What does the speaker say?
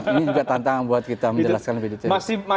ini juga tantangan buat kita menjelaskan lebih detail